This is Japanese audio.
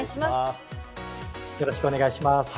よろしくお願いします。